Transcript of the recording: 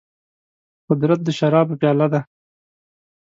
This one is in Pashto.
قدرت د شرابو پياله ده.